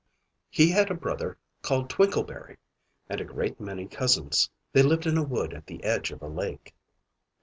He had a brother called Twinkleberry, and a great many cousins: they lived in a wood at the edge of a lake.